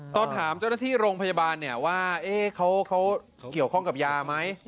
ตอนถามเจ้าหน้าที่โรงพยาบาลเนี่ยว่าเขาเกี่ยวข้องกับยาไหม